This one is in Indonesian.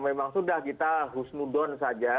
memang sudah kita husnudon saja